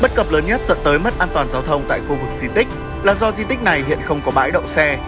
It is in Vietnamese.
bất cập lớn nhất dẫn tới mất an toàn giao thông tại khu vực di tích là do di tích này hiện không có bãi đậu xe